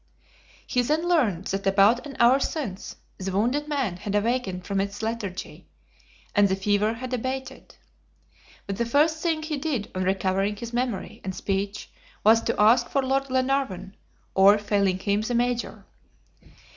He then learned that about an hour since, the wounded man had awakened from his lethargy, and the fever had abated. But the first thing he did on recovering his memory and speech was to ask for Lord Glenarvan, or, failing him, the Major.